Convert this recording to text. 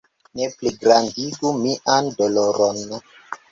Ne pligrandigu mian doloron!